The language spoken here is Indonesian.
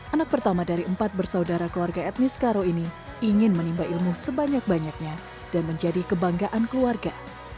anak pertama dari empat bersaudara keluarga etnis karo ini ingin menimba ilmu sebanyak banyaknya dan menjadi kebanggaan keluarga